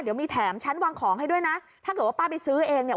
เดี๋ยวมีแถมฉันวางของให้ด้วยนะถ้าเกิดว่าป้าไปซื้อเองเนี่ย